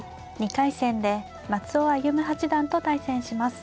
２回戦で松尾歩八段と対戦します。